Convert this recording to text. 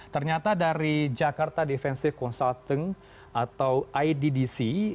ternyata dari jakarta defensive consulting atau iddc